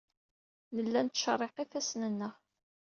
Nella nettcerriq ifassen-nneɣ.